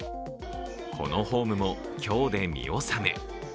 このホームも今日で見納め。